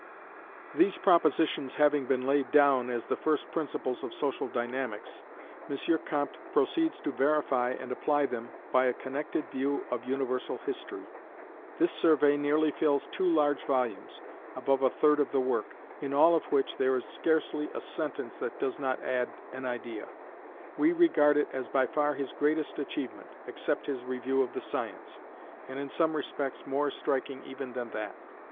These propositions having been laid down as the first principles of social dynamics, M. Comte proceeds to verify and apply them by a connected view of universal history. This survey nearly fills two large volumes, above a third of the work, in all of which there is scarcely a sentence that does not add an idea. We regard it as by far his greatest achievement, except his review of the sciences, and in some respects more striking even than that.